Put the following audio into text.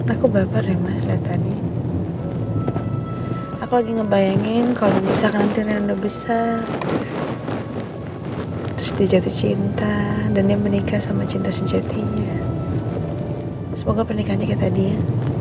aku baper ya mas liat tadi aku lagi ngebayangin kalau bisa kan nanti rina udah besar terus dia jatuh cinta dan dia menikah sama cinta sejatinya semoga pernikahannya kayak tadi ya